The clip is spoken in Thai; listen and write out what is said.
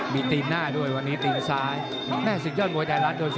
สิกเยาทมวยไทรรัส